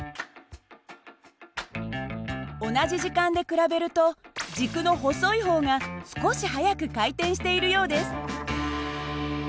同じ時間で比べると軸の細い方が少し速く回転しているようです。